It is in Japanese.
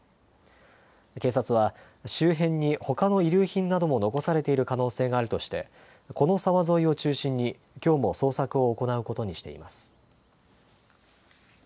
警察は、周辺にほかの遺留品なども残されている可能性もあるとして、この沢沿いを中心に、きょうも捜索を行うことにしています。